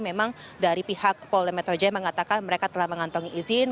memang dari pihak pol lema metro jaya mengatakan mereka telah mengantong izin